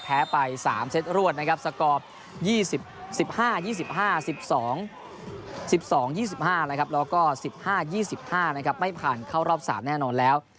แพ้ไป๓เซตรวดนะครับสกอร์๑๕๒๕๑๒๒๕แล้วก็๑๕๒๕ไม่ผ่านเข้ารอบ๓แน่นอนแล้ว